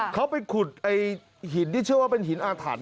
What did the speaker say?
เขาไปขุดไอ้หินที่เชื่อว่าเป็นหินอาถรรพ